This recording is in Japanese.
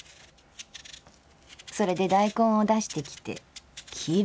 それで大根を出してきて切る」。